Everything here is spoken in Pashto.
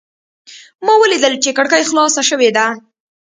ما ولیدل چې کړکۍ خلاصه شوې ده.